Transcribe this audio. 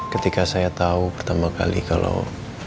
ketika saya tahu pertama kali kalau